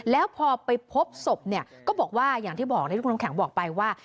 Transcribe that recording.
แล้วพอไปพบศพเนี่ยก็บอกว่าอย่างที่บอกที่คุณน้ำแข็งบอกไปว่า